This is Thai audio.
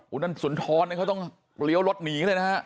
คุณนั่นสุนทรเขาต้องเลี้ยวรถหนีเลยนะฮะ